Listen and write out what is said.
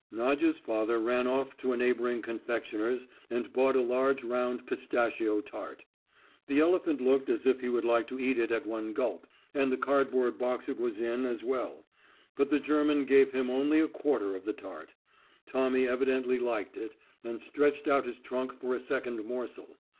Nadya's father ran off to a neighbouring confectioner's and bought a large round pistachio tart. The elephant looked as if he would like to eat it at one gulp, and the cardboard box it was in as well, but the German gave him only a quarter of the tart.... Tommy evidently liked it, and stretched out his trunk for a second morsel.